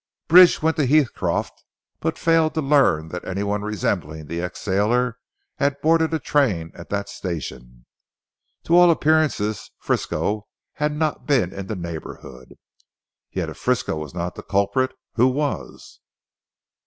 Bridge went to Heathcroft, but failed to learn that anyone resembling the ex sailor had boarded a train at that station. To all appearances Frisco had not been in the neighbourhood. Yet if Frisco was not the culprit, who was?